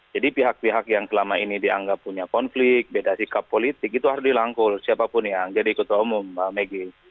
jadi pihak pihak yang selama ini dianggap punya konflik beda sikap politik itu harus dilangkul siapapun yang jadi ketua umum pak megi